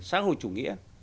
xã hội chủ nghĩa